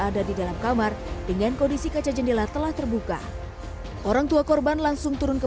ada di dalam kamar dengan kondisi kaca jendela telah terbuka orang tua korban langsung turun ke